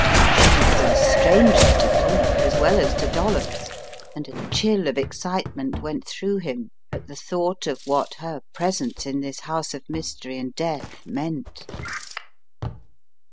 She was a stranger to Cleek, as well as to Dollops, and a chill of excitement went through him at the thought of what her presence in this house of mystery and death meant.